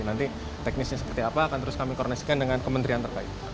nanti teknisnya seperti apa akan terus kami koordinasikan dengan kementerian terkait